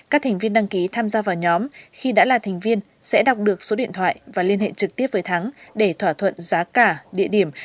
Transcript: các thành viên đăng ký tham gia vào nhóm khi đã là thành viên sẽ đọc được số điện thoại và liên hệ trực tiếp với thắng để thỏa thuận giá cả địa điểm